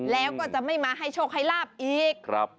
แล้วก็จะไม่มาให้โชคให้ลาบอีก